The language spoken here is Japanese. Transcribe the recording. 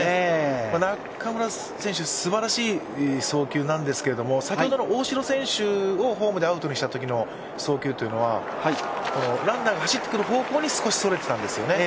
中村選手、すばらしい送球なんですけれども先ほどの大城選手をホームでアウトにしたときの送球というのはランナーが走ってくる方向に少しそれてたんですよね。